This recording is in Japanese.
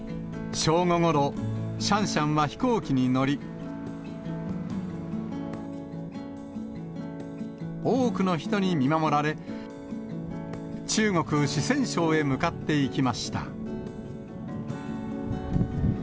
正午ごろ、シャンシャンは飛行機に乗り、多くの人に見守られ、中国・四川省へ向かっていきました。